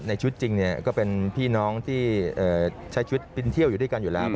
ชุดจริงก็เป็นพี่น้องที่ใช้ชุดบินเที่ยวอยู่ด้วยกันอยู่แล้ว